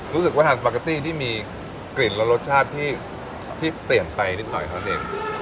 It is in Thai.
รู้สึกว่าทานสปาเกตตี้ที่มีกลิ่นและรสชาติที่เปลี่ยนไปนิดหน่อยเท่านั้นเอง